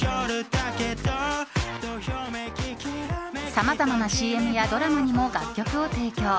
さまざまなＣＭやドラマにも楽曲を提供。